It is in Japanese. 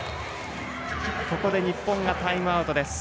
ここで日本がタイムアウト。